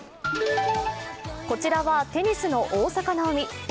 こちらはテニスの大坂なおみ。